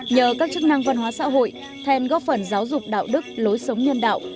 nhờ các chức năng văn hóa xã hội then góp phần giáo dục đạo đức lối sống nhân đạo